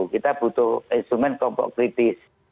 kita butuh instrumen kelompok kritis